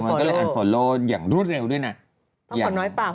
มันเป็นเรื่องปกติ